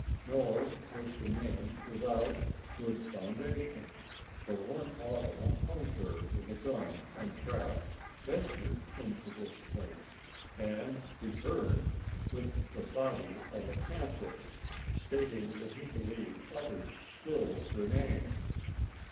Nor was the name without good foundation, for one autumn a hunter with gun and trap ventured into this place, and returned with the body of a panther, stating that he believed others still remained.